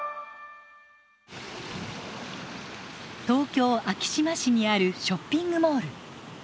東京・昭島市にあるショッピングモール。